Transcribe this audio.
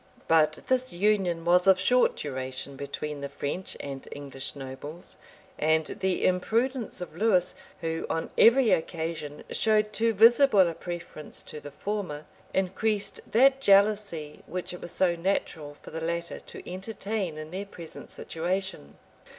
But this union was of short duration between the French and English nobles; and the imprudence of Lewis, who on every occasion showed too visible a preference to the former, increased that jealousy which it was so natural for the latter to entertain in their present situation.